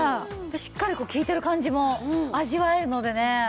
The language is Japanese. しっかりこう効いてる感じも味わえるのでね。